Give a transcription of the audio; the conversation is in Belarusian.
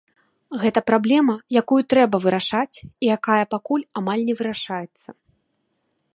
Гэта праблема, якую трэба вырашаць, і якая пакуль амаль не вырашаецца.